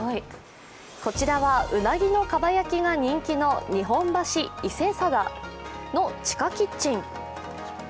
こちらは、うなぎのかば焼きが人気の日本橋伊勢定の地下キッチン。